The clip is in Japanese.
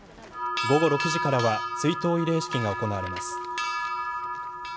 午後６時からは追悼慰霊式が行われます。